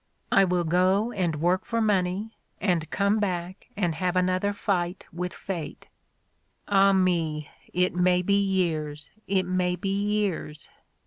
I will go and work for money, and come back and have another fight with fate. Ah, me, it may be years, it may be years!"